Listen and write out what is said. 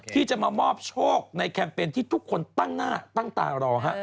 ที่จะมามอบโชคในแคมเปญที่ทุกคนตั้งหน้าตั้งตารอฮะ